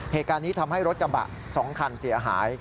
เหตุการณ์นี้ทำให้รถกระบะ๒คันเสียหาย